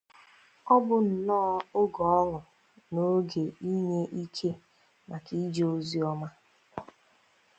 Ọ bụnnọọ oge ọñụ na oge inye ike maka ije oziọma